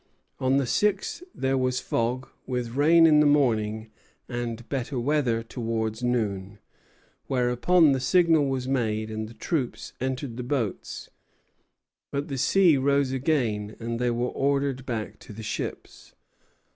On the sixth there was fog, with rain in the morning and better weather towards noon, whereupon the signal was made and the troops entered the boats; but the sea rose again, and they were ordered back to the ships.